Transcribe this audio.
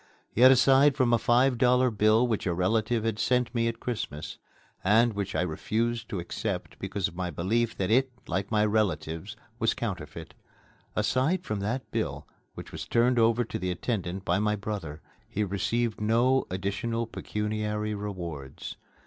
Yet aside from a five dollar bill which a relative had sent me at Christmas and which I had refused to accept because of my belief that it, like my relatives, was counterfeit aside from that bill, which was turned over to the attendant by my brother, he received no additional pecuniary rewards.